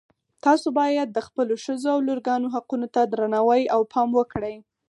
تاسو باید د خپلو ښځو او لورګانو حقونو ته درناوی او پام وکړئ